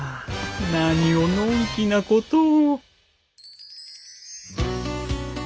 何をのんきなことを。